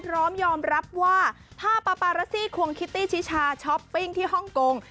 พร้อมยอมรับว่าภาพปาปารัสซี่ควงคิตตี้ชิชาช้อปปิ้งที่ฮ่องกง